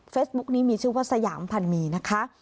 เฟซบุ๊กนี้มีชื่อว่าสยามพันมีนะคะ